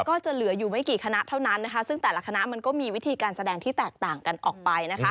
ก็จะเหลืออยู่ไม่กี่คณะเท่านั้นซึ่งแต่ละคณะมันก็มีวิธีการแสดงที่แตกต่างกันออกไป